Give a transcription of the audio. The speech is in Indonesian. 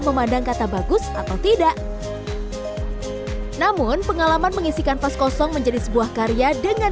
memandang kata bagus atau tidak namun pengalaman mengisi kanvas kosong menjadi sebuah karya dengan